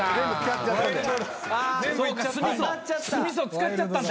酢味噌使っちゃったんだ。